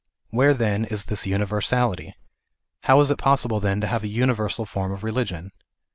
Where, then, is this univers . ality ? How is it possible then to have a universal form of religion